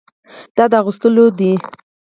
دا د اغوستلو ده.